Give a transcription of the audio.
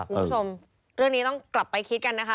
คุณผู้ชมเรื่องนี้ต้องกลับไปคิดกันนะคะ